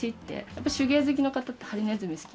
やっぱり手芸好きの方ってハリネズミ好き。